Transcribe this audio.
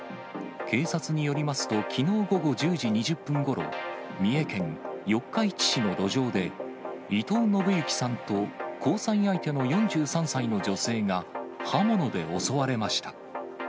警察によりますと、きのう午後１０時２０分ごろ、三重県四日市市の路上で、伊藤信幸さんと交際相手の４３歳の女性が、刃物で襲われました。